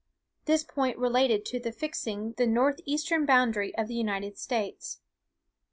This point related to the fixing the north eastern boundary of the United States.